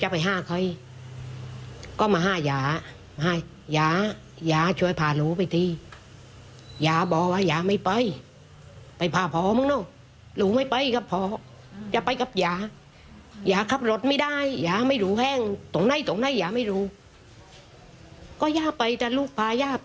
พาย่าไปย่านั่งกายลูกขับ